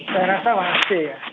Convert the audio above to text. saya rasa masih ya